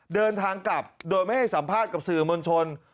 เดินทางกลับโดยไม่ให้สัมภาษณ์กับสื่อมวลชน